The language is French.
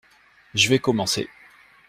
Je vais commencer.